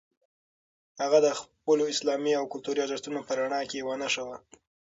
هغه د خپلو اسلامي او کلتوري ارزښتونو په رڼا کې یوه نښه وه.